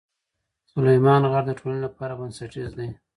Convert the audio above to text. سلیمان غر د ټولنې لپاره بنسټیز دی.